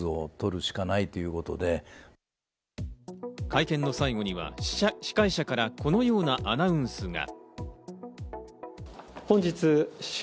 会見の最後には司会者からこのようなアナウンスが。